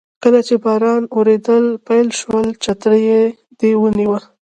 کله چې باران وریدل پیل شول چترۍ دې ونیوه.